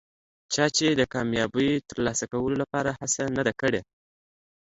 چا چې د کامیابۍ ترلاسه کولو لپاره هڅه نه ده کړي.